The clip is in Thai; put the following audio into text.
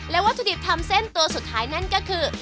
วัตถุดิบทำเส้นตัวสุดท้ายนั่นก็คือ